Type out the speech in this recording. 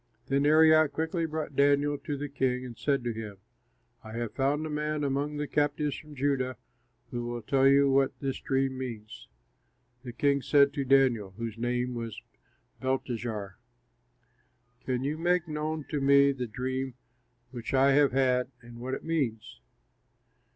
Then Arioch quickly brought Daniel to the king and said to him, "I have found a man among the captives from Judah who will tell you what this dream means." The king said to Daniel (whose name was Belteshazzar), "Can you make known to me the dream which I have had and what it means?"